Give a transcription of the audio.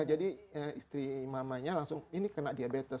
jadi istri mamanya langsung ini kena diabetes